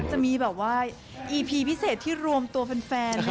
จะมีแบบว่าอีพีพิเศษที่รวมตัวแฟน